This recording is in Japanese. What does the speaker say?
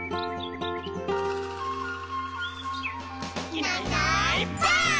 「いないいないばあっ！」